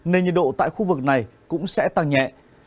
nên nhiệt độ tại khu vực này cũng sẽ tăng nhẹ